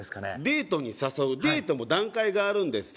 デートに誘うデートも段階があるんです